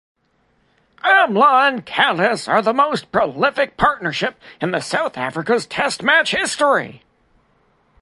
Amla and Kallis are the most prolific partnership in South Africa's test match history.